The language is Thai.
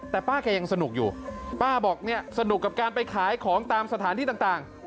แต่ป้าแกยังสนุกอยู่ป้าบอกเนี่ยสนุกกับการไปขายของตามสถานที่ต่าง